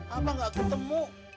abah gak ketemu